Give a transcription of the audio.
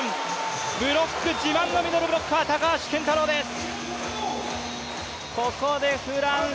自慢のミドルブロッカー高橋健太郎です。